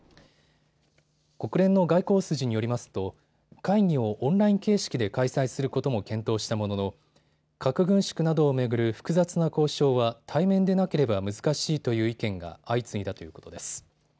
国連の外交筋によりますと会議をオンライン形式で開催することも検討したものの核軍縮などを巡る複雑な交渉は対面でなければ難しいという意見が相次いだということです。